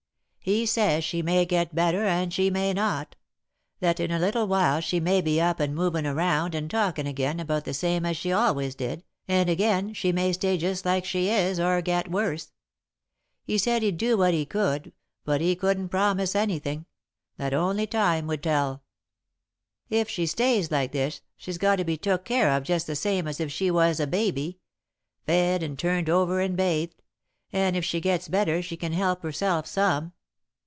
"He says she may get better and she may not that in a little while she may be up and movin' around and talkin' again about the same as she always did, and again, she may stay just like she is, or get worse. He said he'd do what he could, but he couldn't promise anything that only time would tell. "If she stays like this, she's got to be took care of just the same as if she was a baby fed and turned over and bathed, and if she gets better she can help herself some.